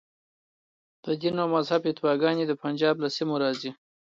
د دین او مذهب فتواګانې د پنجاب له سیمو راځي.